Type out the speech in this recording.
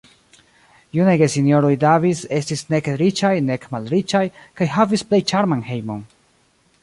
Junaj gesinjoroj Davis estis nek riĉaj, nek malriĉaj, kaj havis plej ĉarman hejmon.